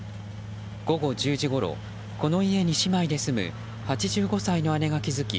午後１０時ごろこの家に姉妹で住む８５歳の姉が気付き